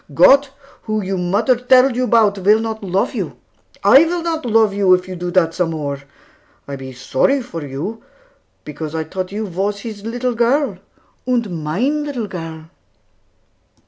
Gott, who you mutter telled you 'bout, will not love you. I will not love you, if you do dat some more. I be sorry for you, because I tought you vas His little girl, and mine little girl."